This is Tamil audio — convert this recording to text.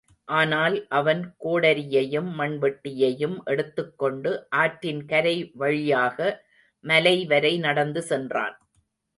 ஆனால் அவன், கோடரியையும் மண் வெட்டியையும் எடுத்துக்கொண்டு, ஆற்றின் கரை வழியாக மலைவரை நடந்து சென்றான்.